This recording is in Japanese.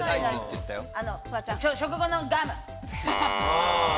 食後のガム。